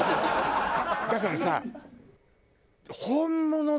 だからさ。